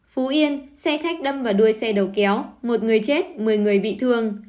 phú yên xe khách đâm vào đuôi xe đầu kéo một người chết một mươi người bị thương